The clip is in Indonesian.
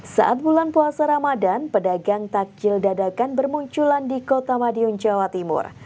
saat bulan puasa ramadan pedagang takjil dadakan bermunculan di kota madiun jawa timur